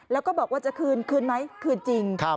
แล้วก็บอกว่าจะคืนคืนไหมคืนจริง